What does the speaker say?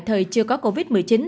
thời chưa có covid một mươi chín